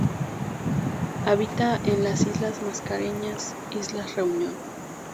Habita en las Islas Mascareñas, islas Reunión.